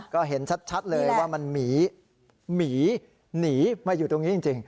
ก็เห็นชัดเลยว่ามันหมีหนีมาอยู่ตรงนี้จริง